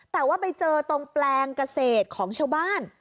แต่ว่าไปเจอตรงแปลงเกษตรของชาวบ้าน